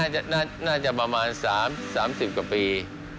ชุดนี้น่าจะประมาณ๓๐กว่าปี